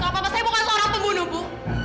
kalau papa saya bukan seorang pembunuh bu